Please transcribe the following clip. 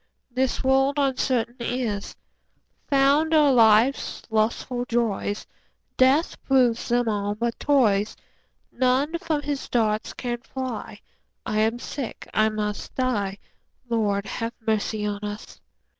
This world uncertain is: Fond are life's lustful joys, Death proves them all but toys. None from his darts can fly; 5 I am sick, I must die— Lord, have mercy on us!